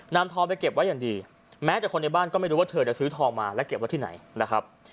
นำทองไปเก็บไว้อย่างดีแม้แต่คนในบ้านก็ไม่รู้ว่าเธอจะซื้อทองมาและเก็บไว้ที่ไหนนะครับ